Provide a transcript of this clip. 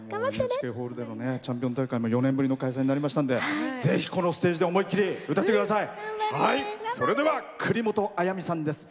ＮＨＫホールでの「チャンピオン大会」も４年ぶりの開催となりましたのでぜひ、このステージで思いっきり歌ってください。